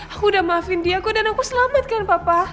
aku udah maafin dia dan aku selamatkan papa